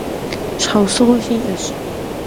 Щхьэусыгъуэ сиӀэщ.